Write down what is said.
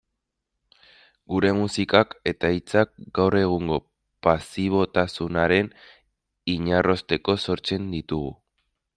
Gure musikak eta hitzak gaur egungo pasibotasunaren inarrosteko sortzen ditugu.